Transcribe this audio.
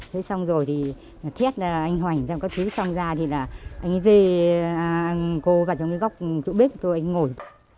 thế xong rồi thì thét anh hoành ra một cái thứ xong ra thì là anh ấy dê cô vào trong cái góc chỗ bếp của tôi anh ấy ngồi